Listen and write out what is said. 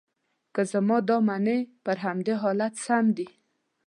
که زما دا منې، پر همدې حالت سم دي.